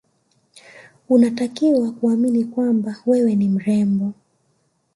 unatakiwa kuamini kwamba wewe ni mrembo